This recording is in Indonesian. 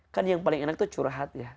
kan yang paling enak itu curhat ya